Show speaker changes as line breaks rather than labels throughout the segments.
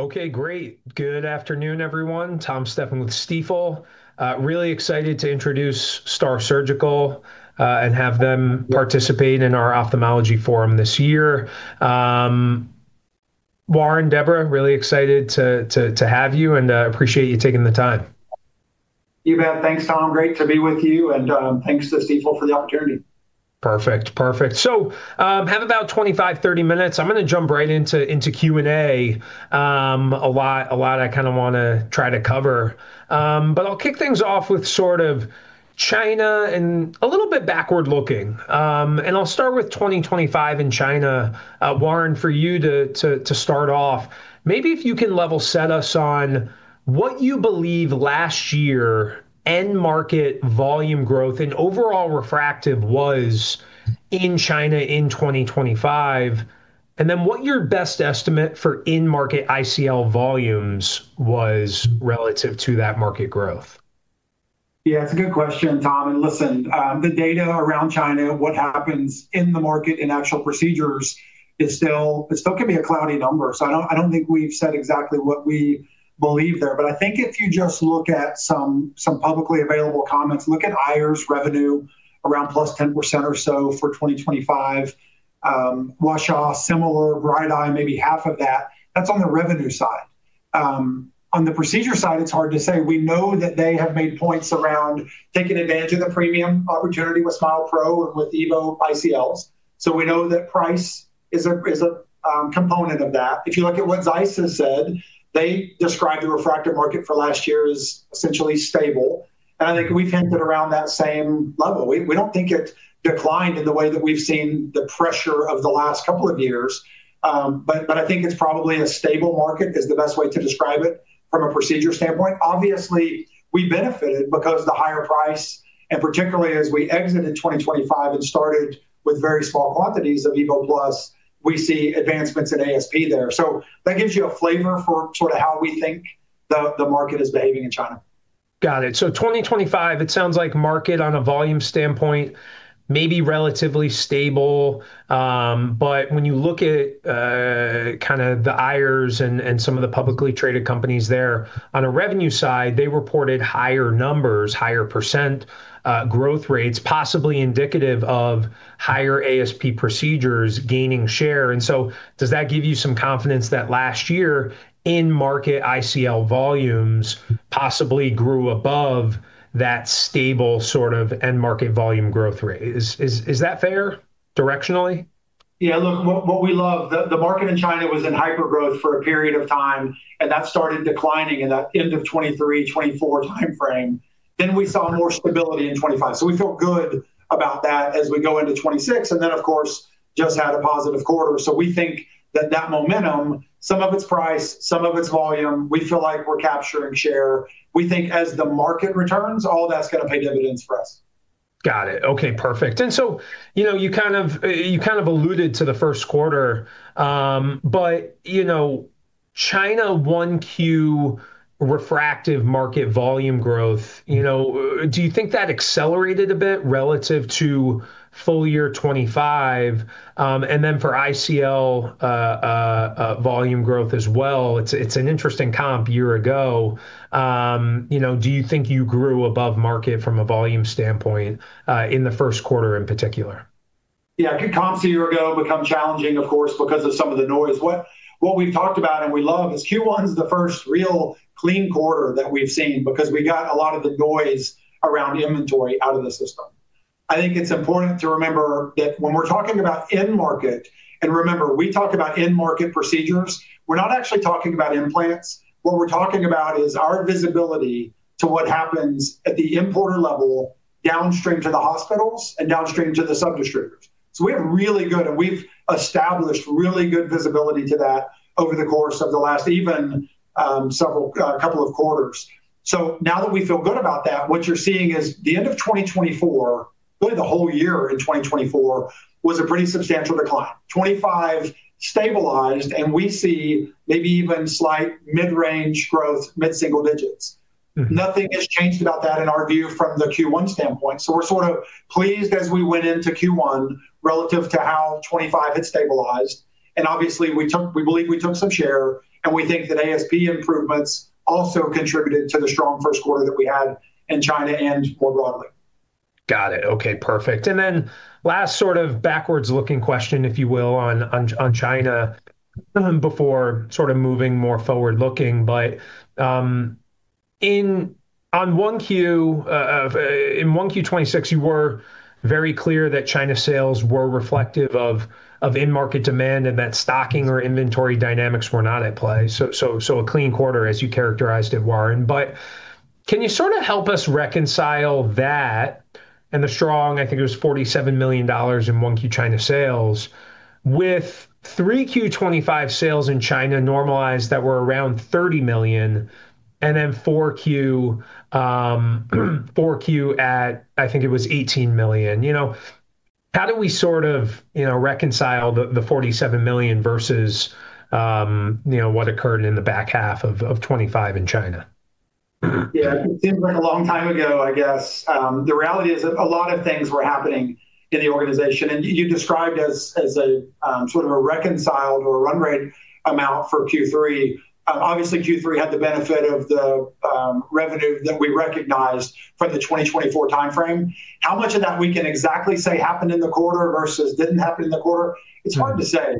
Okay, great. Good afternoon, everyone. Tom Stephan with Stifel. Really excited to introduce STAAR Surgical and have them participate in our ophthalmology forum this year. Warren, Deborah, really excited to have you and appreciate you taking the time.
You bet. Thanks, Tom. Great to be with you and thanks to Stifel for the opportunity.
Perfect. Have about 25, 30 minutes. I'm going to jump right into Q&A. A lot I kind of want to try to cover. I'll kick things off with sort of China and a little bit backward-looking. I'll start with 2025 in China. Warren, for you to start off, maybe if you can level set us on what you believe last year end market volume growth and overall refractive was in China in 2025, and then what your best estimate for in-market ICL volumes was relative to that market growth.
Yeah, it's a good question, Tom. Listen, the data around China, what happens in the market in actual procedures is still going to be a cloudy number. I don't think we've said exactly what we believe there, but I think if you just look at some publicly available comments, look at Aier's revenue around +10% or so for 2025. Huaxia, similar, Bright Eye, maybe half of that. That's on the revenue side. On the procedure side, it's hard to say. We know that they have made points around taking advantage of the premium opportunity with SMILE pro and with EVO ICLs. We know that price is a component of that. If you look at what ZEISS has said, they describe the refractive market for last year as essentially stable. I think we think that around that same level. We don't think it's declined in the way that we've seen the pressure of the last couple of years. I think it's probably a stable market, is the best way to describe it from a procedure standpoint. Obviously, we benefited because the higher price, and particularly as we exited 2025 and started with very small quantities of EVO+, we see advancements in ASP there. That gives you a flavor for how we think the market is behaving in China.
Got it. 2025, it sounds like market on a volume standpoint may be relatively stable. When you look at kind of the Aier's and some of the publicly traded companies there, on a revenue side, they reported higher numbers, higher percent growth rates, possibly indicative of higher ASP procedures gaining share. Does that give you some confidence that last year in market ICL volumes possibly grew above that stable sort of end market volume growth rate? Is that fair directionally?
Yeah, look, what we love, the market in China was in hypergrowth for a period of time, and that started declining in that end of 2023, 2024 timeframe. We saw more stability in 2025. We felt good about that as we go into 2026. Of course, just had a positive quarter. We think that that momentum, some of it's price, some of it's volume, we feel like we're capturing share. We think as the market returns, all that's going to pay dividends for us.
Got it. Okay, perfect. You kind of alluded to the first quarter. China 1Q refractive market volume growth, do you think that accelerated a bit relative to full year 2025? For ICL volume growth as well, it's an interesting comp year ago. Do you think you grew above market from a volume standpoint in the first quarter in particular?
Yeah, comp the year ago become challenging, of course, because of some of the noise. What we've talked about and we love is Q1 is the first real clean quarter that we've seen because we got a lot of the noise around inventory out of the system. I think it's important to remember that when we're talking about end market, and remember, we talk about end market procedures, we're not actually talking about implants. What we're talking about is our visibility to what happens at the importer level, downstream to the hospitals, and downstream to the sub distributors. We have really good, and we've established really good visibility to that over the course of the last even couple of quarters. Now that we feel good about that, what you're seeing is the end of 2024, really the whole year in 2024, was a pretty substantial decline. 2025 stabilized. We see maybe even slight mid-range growth, mid-single digits. Nothing has changed about that in our view from the Q1 standpoint. We're sort of pleased as we went into Q1 relative to how 2025 had stabilized. Obviously, we believe we took some share, and we think that ASP improvements also contributed to the strong first quarter that we had in China and more broadly.
Got it. Okay, perfect. Last sort of backwards-looking question, if you will, on China before sort of moving more forward-looking. In 1Q 2026, you were very clear that China sales were reflective of in-market demand and that stocking or inventory dynamics were not at play. A clean quarter, as you characterized it, Warren. Can you sort of help us reconcile that and the strong, I think it was $47 million in 1Q China sales with 3Q 2025 sales in China normalized that were around $30 million, and 4Q at, I think it was $18 million. How do we sort of reconcile the $47 million versus what occurred in the back half of 2025 in China?
Yeah. It seems like a long time ago, I guess. The reality is that a lot of things were happening in the organization, and you described it as sort of a reconciled or a run rate amount for Q3. Obviously, Q3 had the benefit of the revenue that we recognized for the 2024 timeframe. How much of that we can exactly say happened in the quarter versus didn't happen in the quarter, it's hard to say.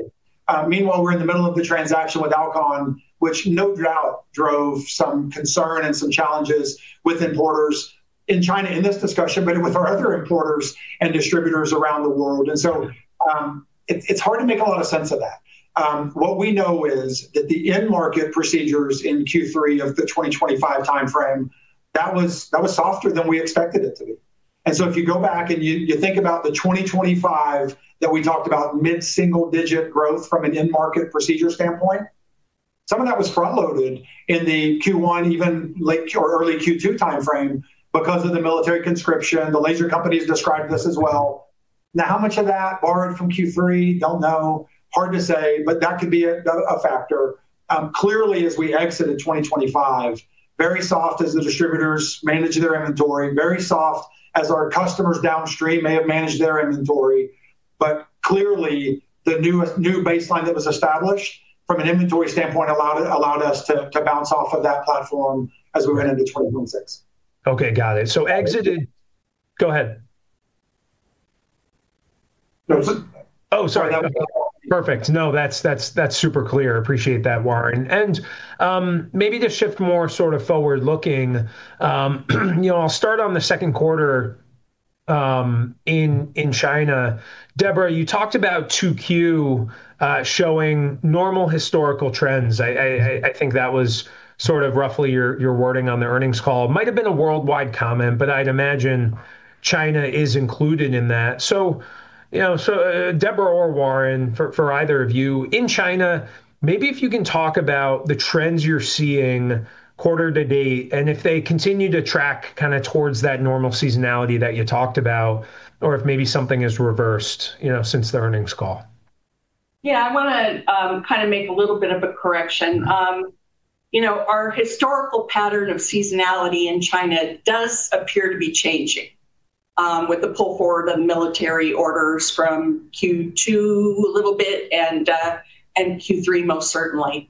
Meanwhile, we're in the middle of a transaction with Alcon, which no doubt drove some concern and some challenges with importers in China in this discussion, but with our other importers and distributors around the world. It's hard to make a lot of sense of that. What we know is that the in-market procedures in Q3 of the 2025 timeframe, that was softer than we expected it to be. If you go back and you think about the 2025 that we talked about mid-single digit growth from an in-market procedure standpoint, some of that was front-loaded in the Q1, even late or early Q2 timeframe because of the military conscription. The laser companies described this as well. Now, how much of that borrowed from Q3? Don't know. Hard to say, but that could be a factor. Clearly, as we exit in 2025, very soft as the distributors manage their inventory, very soft as our customers downstream may have managed their inventory. Clearly, the new baseline that was established from an inventory standpoint allowed us to bounce off of that platform as we went into 2026.
Okay. Got it. Go ahead.
That was it.
Oh, sorry. Perfect. No, that's super clear. Appreciate that, Warren. Maybe to shift more sort of forward-looking, I'll start on the second quarter in China. Deborah, you talked about 2Q showing normal historical trends. I think that was sort of roughly your wording on the earnings call. It might've been a worldwide comment, but I'd imagine China is included in that. Deborah or Warren, for either of you, in China, maybe if you can talk about the trends you're seeing quarter to date, and if they continue to track kind of towards that normal seasonality that you talked about, or if maybe something has reversed since the earnings call.
Yeah. I want to kind of make a little bit of a correction. Our historical pattern of seasonality in China does appear to be changing with the pull forward of military orders from Q2 a little bit and Q3 most certainly.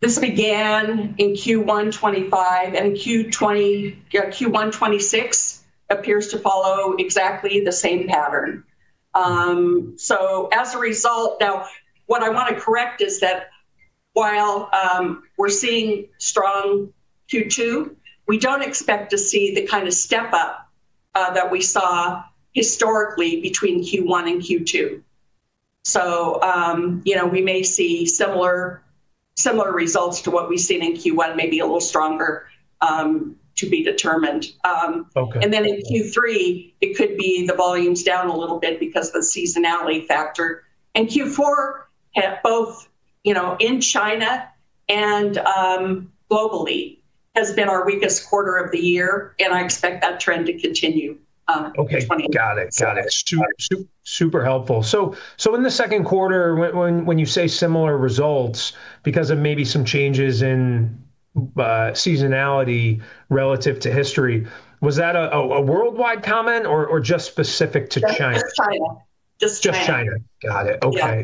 This began in Q1 2025, and Q1 2026 appears to follow exactly the same pattern. As a result, now what I want to correct is that while we're seeing strong Q2, we don't expect to see the kind of step-up that we saw historically between Q1 and Q2. We may see similar results to what we've seen in Q1, maybe a little stronger, to be determined.
Okay.
In Q3, it could be the volume's down a little bit because the seasonality factor. Q4 both in China and globally has been our weakest quarter of the year, and I expect that trend to continue in 2026.
Okay. Got it. Super helpful. In the second quarter, when you say similar results because of maybe some changes in seasonality relative to history, was that a worldwide comment or just specific to China?
Just China.
Just China. Got it.
Yeah.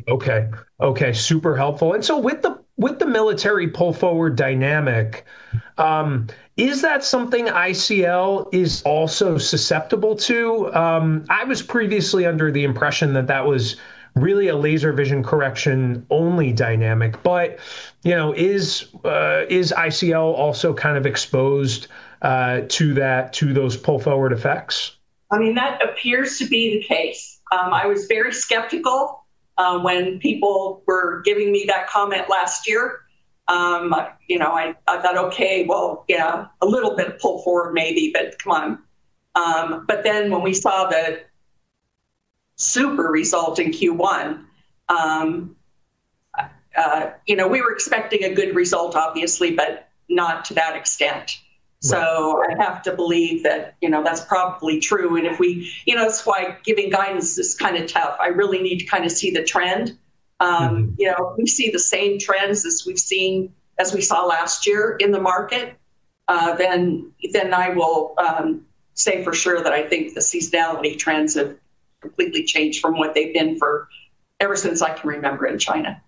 Okay. Super helpful. With the military pull forward dynamic, is that something ICL is also susceptible to? I was previously under the impression that that was really a laser vision correction only dynamic. Is ICL also kind of exposed to those pull-forward effects?
That appears to be the case. I was very skeptical when people were giving me that comment last year. I thought, "Okay, well, yeah, a little bit of pull forward maybe, but come on." When we saw the super result in Q1, we were expecting a good result, obviously, but not to that extent.
Right.
I'd have to believe that's probably true. That's why giving guidance is kind of tough. I really need to kind of see the trend. If we see the same trends as we saw last year in the market, then I will say for sure that I think the seasonality trends have completely changed from what they've been ever since I can remember in China.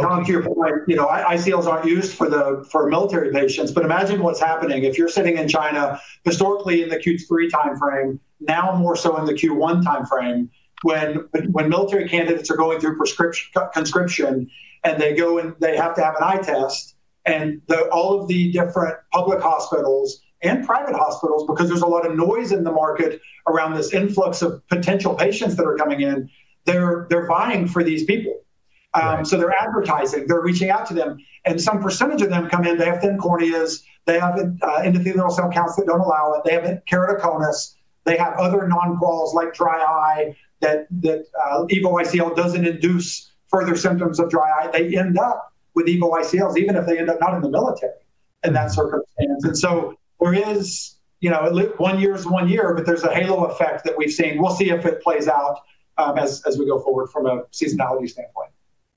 Tom, to your point, ICLs aren't used for military patients, but imagine what's happening. If you're sitting in China historically in the Q3 timeframe, now more so in the Q1 timeframe, when military candidates are going through conscription, and they have to have an eye test, and all of the different public hospitals and private hospitals, because there's a lot of noise in the market around this influx of potential patients that are coming in, they're vying for these people.
Right.
They're advertising. They're reaching out to them. Some percentage of them come in, they have thin corneas, they have endothelial cell counts that don't allow it, they have keratoconus, they have other non-quals like dry eye that EVO ICL doesn't induce further symptoms of dry eye. They end up with EVO ICLs, even if they end up not in the military. In that circumstance. One year is one year, but there's a halo effect that we've seen. We'll see if it plays out as we go forward from a seasonality standpoint.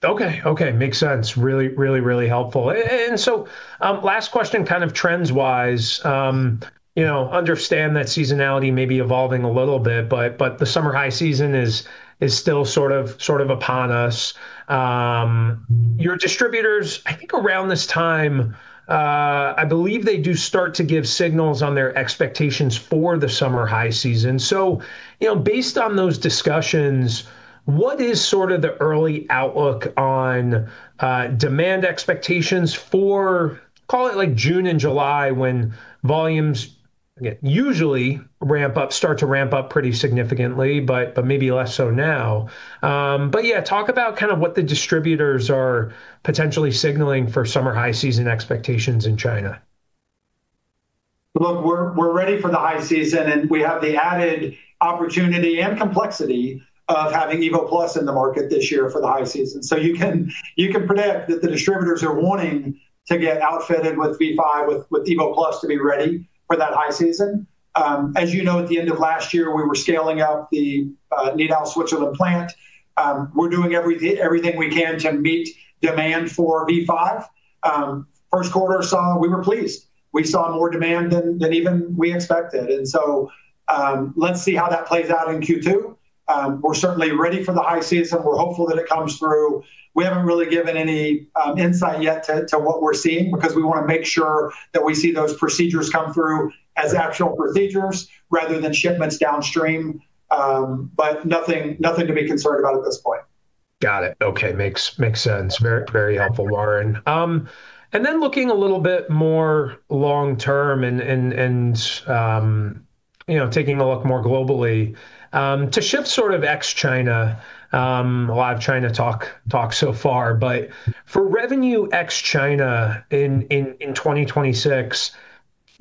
Okay. Makes sense. Really helpful. Last question, kind of trends wise. Understand that seasonality may be evolving a little bit, but the summer high season is still sort of upon us. Your distributors, I think around this time, I believe they do start to give signals on their expectations for the summer high season. Based on those discussions, what is sort of the early outlook on demand expectations for, call it like June and July, when volumes usually start to ramp up pretty significantly, but maybe less so now? Talk about kind of what the distributors are potentially signaling for summer high season expectations in China.
Look, we're ready for the high season. We have the added opportunity and complexity of having EVO+ in the market this year for the high season. You can predict that the distributors are wanting to get outfitted with V5, with EVO+, to be ready for that high season. As you know, at the end of last year, we were scaling up the Nidau, Switzerland plant. We're doing everything we can to meet demand for V5. First quarter, we were pleased. We saw more demand than even we expected. Let's see how that plays out in Q2. We're certainly ready for the high season. We're hopeful that it comes through. We haven't really given any insight yet to what we're seeing, because we want to make sure that we see those procedures come through as actual procedures rather than shipments downstream. Nothing to be concerned about at this point.
Got it. Okay. Makes sense. Very helpful, Warren. Looking a little bit more long term and taking a look more globally, to shift sort of ex-China, a lot of China talk so far. For revenue ex-China in 2026,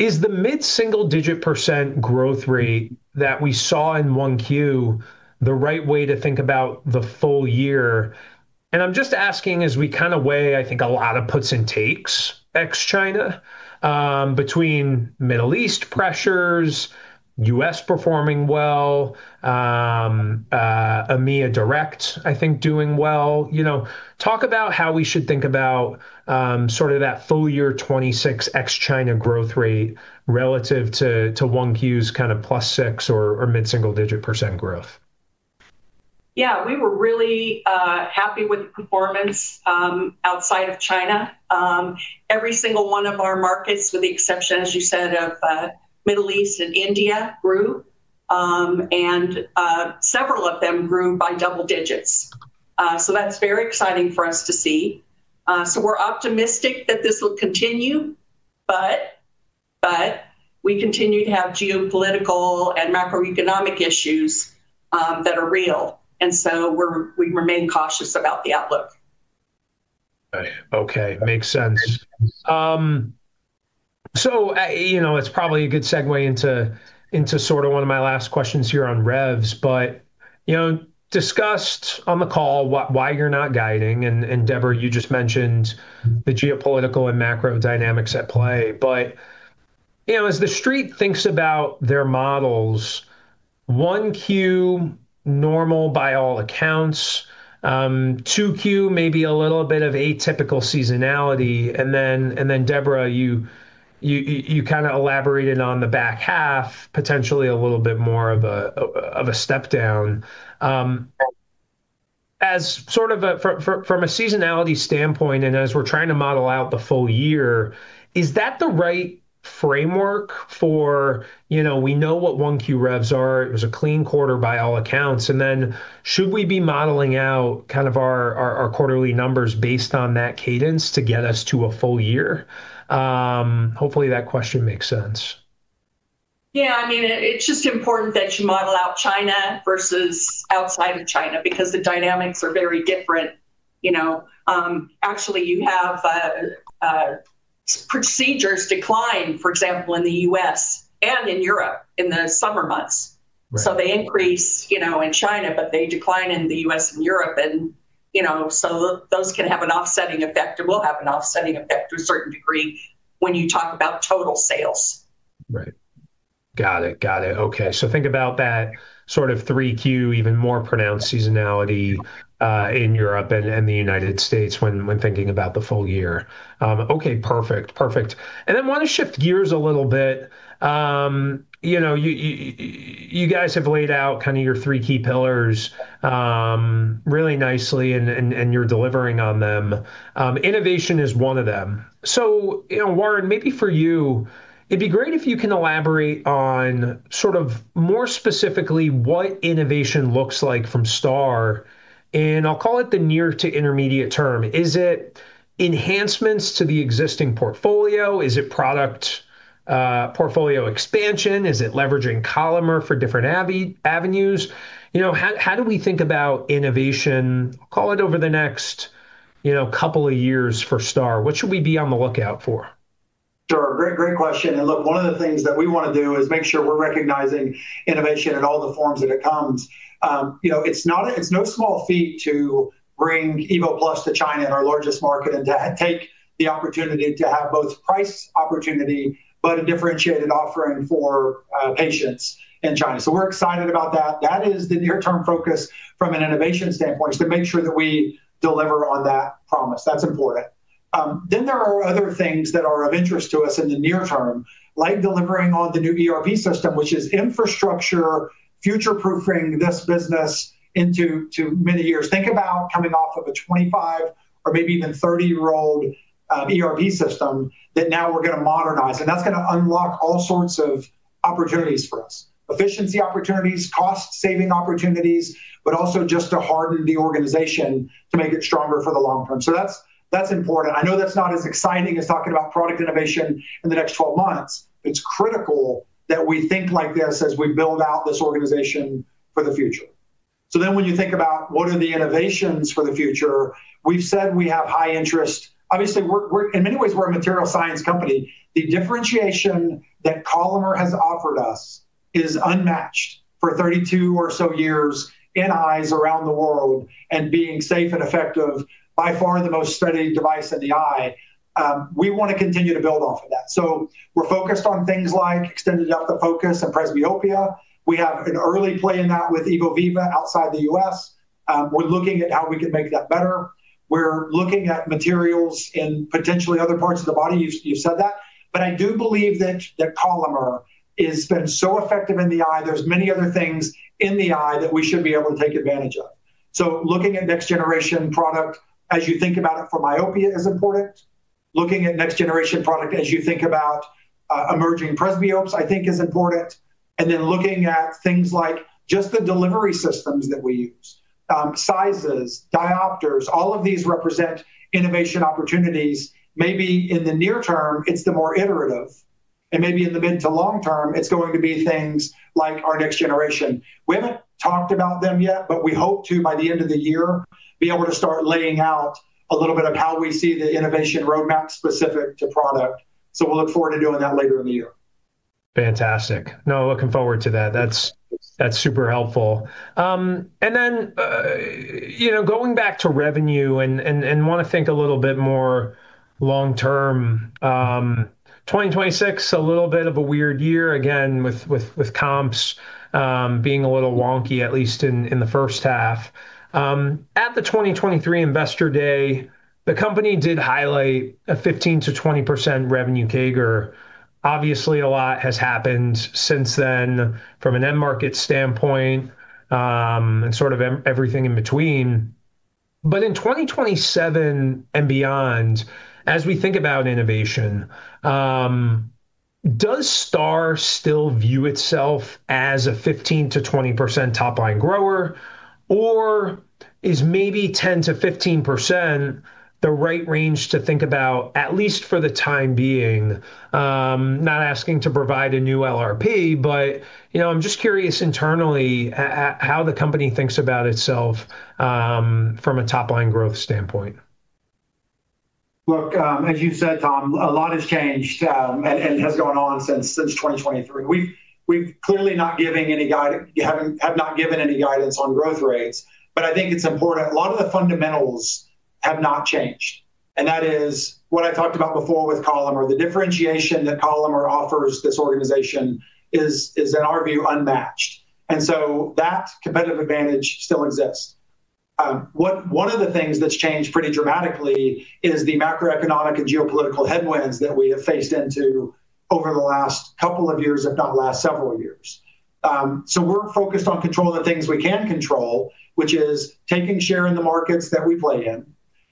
is the mid-single digit percent growth rate that we saw in 1Q the right way to think about the full year? I'm just asking as we kind of weigh, I think, a lot of puts and takes ex-China, between Middle East pressures, U.S. performing well, EMEA direct, I think, doing well. Talk about how we should think about sort of that full year 2026 ex-China growth rate relative to 1Q's kind of +6% or mid-single digit percent growth.
Yeah. We were really happy with the performance outside of China. Every single one of our markets, with the exception, as you said, of Middle East and India, grew. Several of them grew by double digits. That's very exciting for us to see. We're optimistic that this will continue, but we continue to have geopolitical and macroeconomic issues that are real. We remain cautious about the outlook.
Okay. Makes sense. It's probably a good segue into sort of one of my last questions here on revs, but discussed on the call why you're not guiding, and Deborah, you just mentioned the geopolitical and macro dynamics at play. As the Street thinks about their models, 1Q, normal by all accounts, 2Q, maybe a little bit of atypical seasonality, then, Deborah, you kind of elaborated on the back half, potentially a little bit more of a step down. From a seasonality standpoint and as we're trying to model out the full year, is that the right framework for, we know what 1Q revs are. It was a clean quarter by all accounts. Then should we be modeling out kind of our quarterly numbers based on that cadence to get us to a full year? Hopefully, that question makes sense.
Yeah. It's just important that you model out China versus outside of China, because the dynamics are very different. Actually, you have procedures decline, for example, in the U.S. and in Europe in the summer months.
Right.
They increase in China, but they decline in the U.S. and Europe. Those can have an offsetting effect, or will have an offsetting effect to a certain degree when you talk about total sales.
Right. Got it. Okay. Think about that sort of 3Q, even more pronounced seasonality in Europe and the U.S. when thinking about the full year. Okay, perfect. Want to shift gears a little bit. You guys have laid out kind of your three key pillars really nicely, and you're delivering on them. Innovation is one of them. Warren, maybe for you, it'd be great if you can elaborate on sort of more specifically what innovation looks like from STAAR, and I'll call it the near to intermediate term. Is it enhancements to the existing portfolio? Is it product portfolio expansion? Is it leveraging Collamer for different avenues? How do we think about innovation, call it over the next couple of years for STAAR? What should we be on the lookout for?
Sure. Great question. Look, one of the things that we want to do is make sure we're recognizing innovation in all the forms that it comes. It's no small feat to bring EVO+ to China, our largest market, and to take the opportunity to have both price opportunity, but a differentiated offering for patients in China. We're excited about that. That is the near-term focus from an innovation standpoint, to make sure that we deliver on that promise. That's important. There are other things that are of interest to us in the near term, like delivering on the new ERP system, which is infrastructure, future-proofing this business into many years. Think about coming off of a 25 or maybe even 30-year-old ERP system that now we're going to modernize, and that's going to unlock all sorts of opportunities for us. Efficiency opportunities, cost-saving opportunities, but also just to harden the organization to make it stronger for the long term. That's important. I know that's not as exciting as talking about product innovation in the next 12 months. It's critical that we think like this as we build out this organization for the future. When you think about what are the innovations for the future, we've said we have high interest. Obviously, in many ways, we're a material science company. The differentiation that Collamer has offered us is unmatched for 32 or so years in eyes around the world and being safe and effective, by far the most studied device in the eye. We want to continue to build off of that. We're focused on things like extended depth of focus and presbyopia. We have an early play in that with EVO Viva outside the U.S. We're looking at how we can make that better. We're looking at materials in potentially other parts of the body. You said that. I do believe that the Collamer has been so effective in the eye. There's many other things in the eye that we should be able to take advantage of. Looking at next-generation product as you think about it for myopia is important. Looking at next-generation product as you think about emerging presbyopes, I think is important. Then looking at things like just the delivery systems that we use. Sizes, diopters, all of these represent innovation opportunities. Maybe in the near term, it's the more iterative, and maybe in the mid to long term, it's going to be things like our next generation. We haven't talked about them yet, but we hope to, by the end of the year, be able to start laying out a little bit of how we see the innovation roadmap specific to product. We'll look forward to doing that later in the year.
Fantastic. No, looking forward to that. That's super helpful. Then going back to revenue and want to think a little bit more long term. 2026, a little bit of a weird year, again, with comps being a little wonky, at least in the first half. At the 2023 Investor Day, the company did highlight a 15%-20% revenue CAGR. Obviously, a lot has happened since then from an end market standpoint, and sort of everything in between. In 2027 and beyond, as we think about innovation, does STAAR still view itself as a 15%-20% top-line grower, or is maybe 10%-15% the right range to think about, at least for the time being? Not asking to provide a new LRP, but I'm just curious internally how the company thinks about itself from a top-line growth standpoint.
Look, as you said, Tom, a lot has changed and has gone on since 2023. We've clearly not given any guidance on growth rates, but I think it's important, a lot of the fundamentals have not changed, and that is what I talked about before with Collamer. The differentiation that Collamer offers this organization is, in our view, unmatched, and so that competitive advantage still exists. One of the things that's changed pretty dramatically is the macroeconomic and geopolitical headwinds that we have faced into over the last couple of years, if not last several years. We're focused on controlling the things we can control, which is taking share in the markets that we play in,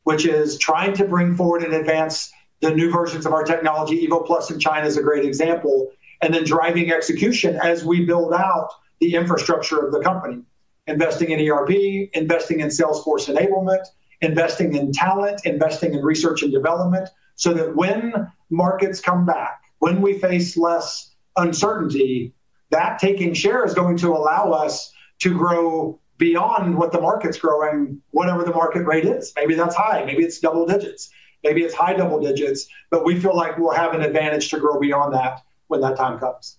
which is trying to bring forward and advance the new versions of our technology, EVO+ in China is a great example, and then driving execution as we build out the infrastructure of the company. Investing in ERP, investing in salesforce enablement, investing in talent, investing in R&D, so that when markets come back, when we face less uncertainty, that taking share is going to allow us to grow beyond what the market's growing, whatever the market rate is. Maybe that's high, maybe it's double digits, maybe it's high double digits. We feel like we'll have an advantage to grow beyond that when that time comes.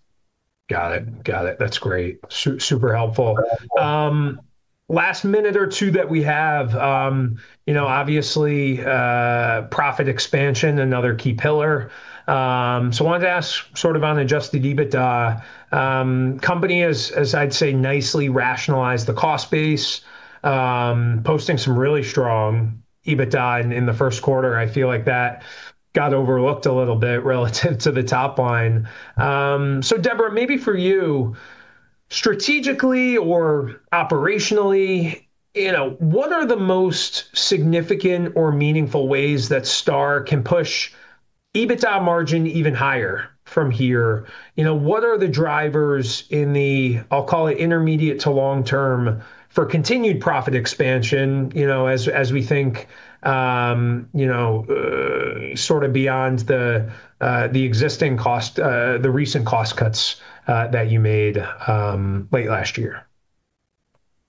Got it. That's great. Super helpful. Last minute or two that we have. Obviously, profit expansion, another key pillar. I wanted to ask sort of on adjusted EBITDA. Company has, as I'd say, nicely rationalized the cost base, posting some really strong EBITDA in the first quarter. I feel like that got overlooked a little bit relative to the top line. Deborah, maybe for you, strategically or operationally, what are the most significant or meaningful ways that STAAR can push EBITDA margin even higher from here? What are the drivers in the, I'll call it intermediate to long term, for continued profit expansion as we think sort of beyond the recent cost cuts that you made late last year?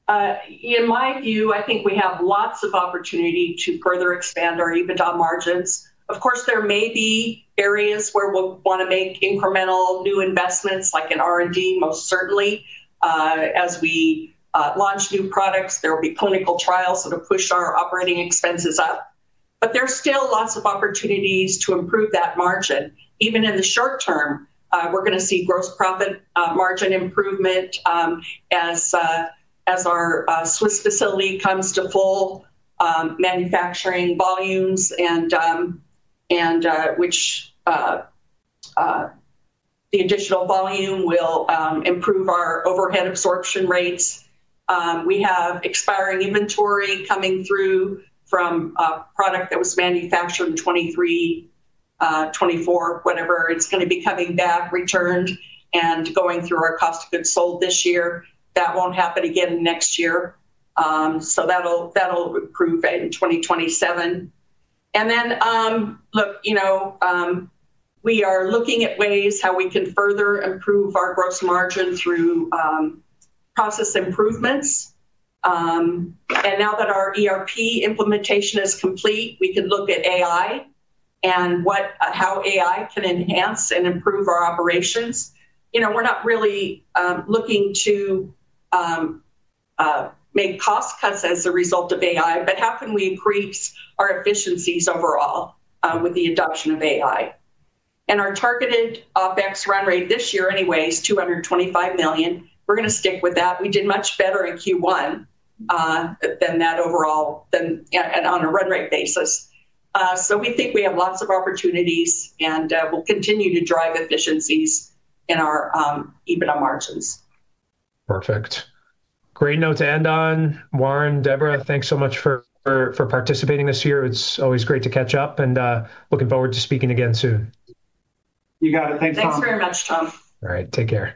In my view, I think we have lots of opportunity to further expand our EBITDA margins. Of course, there may be areas where we'll want to make incremental new investments, like in R&D, most certainly. As we launch new products, there will be clinical trials that will push our operating expenses up. There's still lots of opportunities to improve that margin. Even in the short term, we're going to see gross profit margin improvement as our Swiss facility comes to full manufacturing volumes, and which the additional volume will improve our overhead absorption rates. We have expiring inventory coming through from a product that was manufactured in 2023, 2024, whenever it's going to be coming back returned and going through our cost of goods sold this year. That won't happen again next year. That'll improve in 2027. Then, look, we are looking at ways how we can further improve our gross margin through process improvements. Now that our ERP implementation is complete, we can look at AI and how AI can enhance and improve our operations. We're not really looking to make cost cuts as a result of AI, but how can we increase our efficiencies overall with the adoption of AI? Our targeted OPEX run rate this year anyway is $225 million. We're going to stick with that. We did much better in Q1 than that overall and on a run rate basis. We think we have lots of opportunities, and we'll continue to drive efficiencies in our EBITDA margins.
Perfect. Great note to end on. Warren, Deborah, thanks so much for participating this year. It's always great to catch up and looking forward to speaking again soon.
You got it. Thanks, Tom.
Thanks very much, Tom.
All right. Take care.